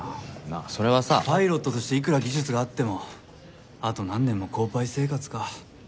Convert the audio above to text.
まあそれはさ。パイロットとしていくら技術があってもあと何年もコーパイ生活か。